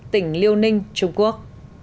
tỉnh liêu ninh trung quốc